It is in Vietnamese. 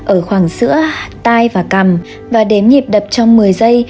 ở khoảng giữa tay và cằm và đếm nhịp đập trong một mươi giây